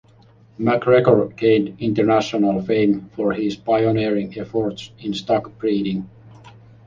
McGregor gained international fame for his pioneering efforts in stock breeding.